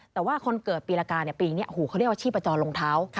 แต่ว่าคนเกิดปีละกาปีนี้เขาเรียกว่าชีพจรรองเท้า